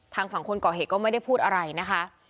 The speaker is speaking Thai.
ทางฝั่งคนก่อเหตุก็ไม่ได้พูดอะไรนะคะ